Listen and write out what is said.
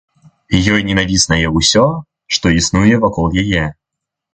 Ёй ненавіснае усё, што існуе вакол яе.